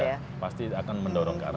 ya pasti akan mendorong ke arah